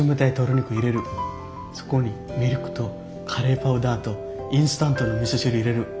そこにミルクとカレーパウダーとインスタントのみそ汁入れる。